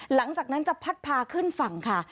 หลังจากนั้นจะพัดพาขึ้นฝั่งค่ะ